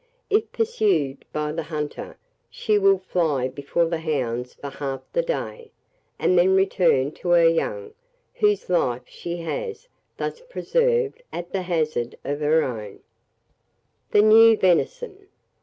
If pursued by the hunter, she will fly before the hounds for half the day, and then return to her young, whose life she has thus preserved at the hazard of her own. [Illustration: ELAND (BULL). ELAND (COW).] THE NEW VENISON.